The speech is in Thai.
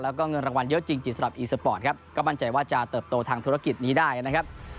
แล้วก็เงินรางวัลเยอะจริงสำหรับอีสปอร์ตครับก็มั่นใจว่าจะเติบโตทางธุรกิจนี้ได้นะครับ